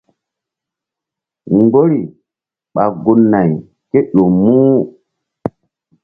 Mgbori ɓa gun- nay kéƴo muh.